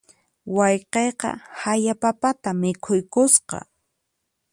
Wayqiyqa haya papata mikhuykusqa.